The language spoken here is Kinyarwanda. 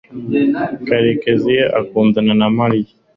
karekezi akundana na mariya